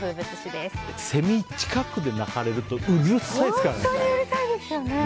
セミ、近くで鳴かれるとうるさいですからね。